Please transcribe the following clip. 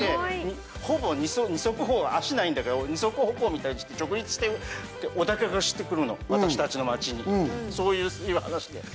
ほぼ二足歩行脚ないんだけど二足歩行みたい直立しておでかけして来るの私たちの街にそういう話で。